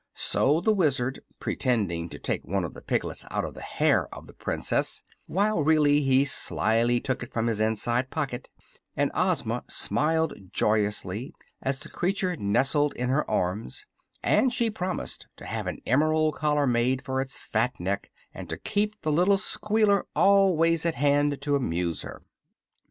So the Wizard pretended to take one of the piglets out of the hair of the Princess (while really he slyly took it from his inside pocket) and Ozma smiled joyously as the creature nestled in her arms, and she promised to have an emerald collar made for its fat neck and to keep the little squealer always at hand to amuse her.